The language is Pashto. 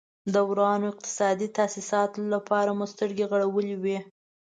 د ورانو اقتصادي تاسیساتو لپاره مو سترګې غړولې وې.